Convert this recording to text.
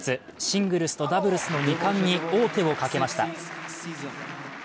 シングルスとダブルスの２冠に王手をかけました。